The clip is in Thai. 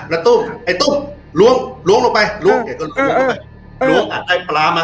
แล้วตุ้มไอตุ้มล้วงล้วงลงไปล้วงล้วงลงไปล้วงอ่ะได้ปลามา